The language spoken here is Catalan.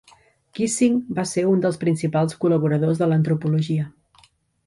Keesing va ser un dels principals col·laboradors de l'antropologia.